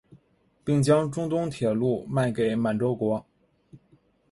并将中东铁路卖给满洲国。